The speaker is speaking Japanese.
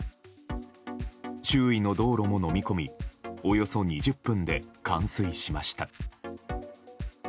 周囲の道路ものみ込みおよそ２０分で冠水しました。